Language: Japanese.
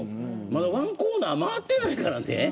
まだ１コーナー回ってないからね。